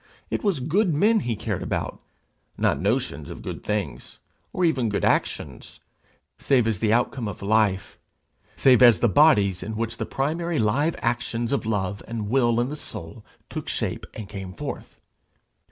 It was good men he cared about, not notions of good things, or even good actions, save as the outcome of life, save as the bodies in which the primary live actions of love and will in the soul took shape and came forth.